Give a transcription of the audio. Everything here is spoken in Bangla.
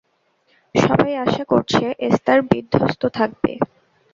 সবাই আশা করছে এস্থার বিধ্বস্ত থাকবে।